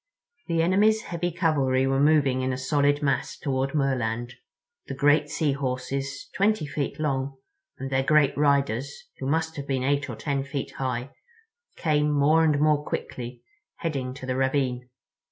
The enemy's heavy cavalry were moving in a solid mass toward Merland—the great Sea Horses, twenty feet long, and their great riders, who must have been eight or ten feet high, came more and more quickly, heading to the ravine.